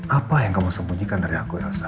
apa yang kamu sembunyikan dari aku elsa